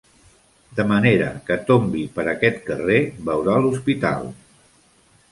De manera que tombi per aquest carrer veurà l'hospital.